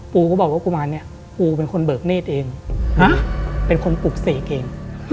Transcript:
ปูก็บอกว่ากุมารเนี่ยปูเป็นคนเบิกเนธเองเป็นคนปลูกเสกเอง